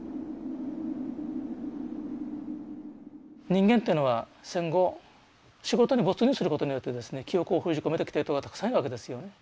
人間っていうのは戦後仕事に没入することによってですね記憶を封じ込めてきてる人がたくさんいるわけですよね。